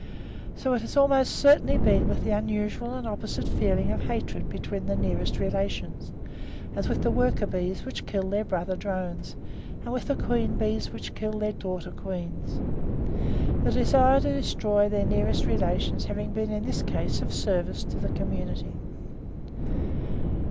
So it has almost certainly been with the unusual and opposite feeling of hatred between the nearest relations, as with the worker bees which kill their brother drones, and with the queen bees which kill their daughter queens; the desire to destroy their nearest relations having been in this case of service to the community.